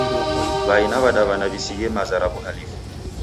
W'ai na w'adaw'ana w'isighe maza ra w'uhalifu.